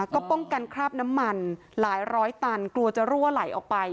ก็ป้องกันคราบน้ำมันหลายร้อยตันกลัวจะรั่วไหลออกไป